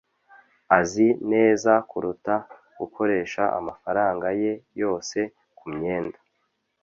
azi neza kuruta gukoresha amafaranga ye yose kumyenda